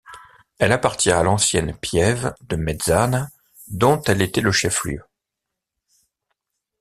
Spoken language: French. Elle appartient à l'ancienne piève de Mezzana dont elle était le chef-lieu.